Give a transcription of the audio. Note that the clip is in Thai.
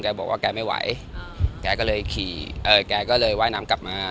แกไม่ไหวแกก็เลยว่ายน้ำกลับมา